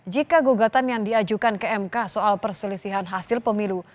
jika gugatan yang diajukan ke mk soal perselisihan hasil pemilu